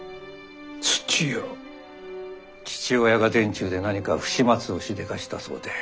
父親が殿中で何か不始末をしでかしたそうで。